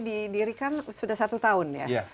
didirikan sudah satu tahun ya